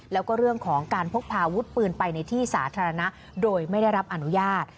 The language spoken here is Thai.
แล้วก็เรื่องของการพกพาอาวุธปืนไปในที่สาธารณะโดยไม่ได้รับอนุญาต